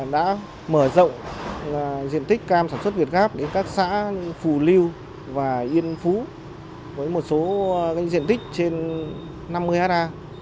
đã mở rộng diện tích cam sản xuất việt gáp đến các xã phù lưu và yên phú với một số diện tích trên năm mươi ha